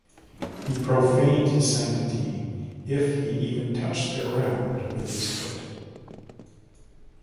He profaned his sanctity if he even touched the ground with his foot.